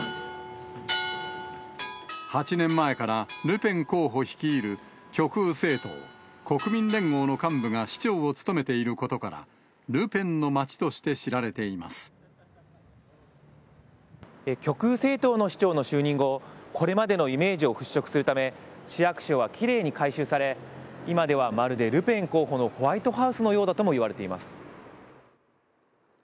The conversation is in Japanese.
８年前から、ルペン候補率いる極右政党国民連合の幹部が市長を務めていることから、極右政党の市長の就任後、これまでのイメージを払拭するため、市役所はきれいに改修され、今では、まるでルペン候補のホワイトハウスのようだともいわれています。